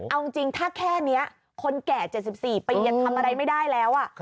เอาจริงถ้าแค่นี้คนแก่๗๔ปียังทำอะไรไม่ได้แล้ว